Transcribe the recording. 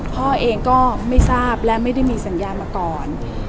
พ่อเองก็ไม่ทราบและไม่ได้มีสัญญามาก่อน